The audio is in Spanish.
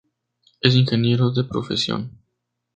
Es ingeniero de profesión.